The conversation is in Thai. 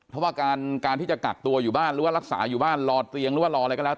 เพราะว่าการที่จะกักตัวอยู่บ้านหรือว่ารักษาอยู่บ้านรอเตียงหรือว่ารออะไรก็แล้ว